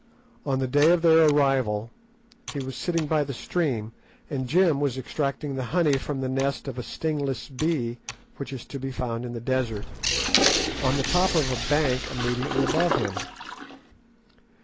On the day of their arrival he was sitting by the stream, and Jim was extracting the honey from the nest of a stingless bee which is to be found in the desert, on the top of a bank immediately above him.